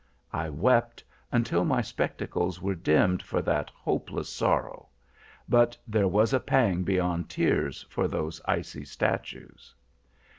I wept, until my spectacles were dimmed for that hopeless sorrow; but there was a pang beyond tears for those icy statues.